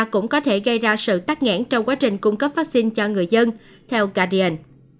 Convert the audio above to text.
cũng có thể gây ra sự tắc nghẽn trong quá trình cung cấp vắc xin cho người dân theo guardian